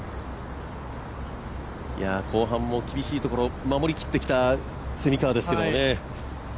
後半も厳しいところを守りきってきた蝉川ですけどね。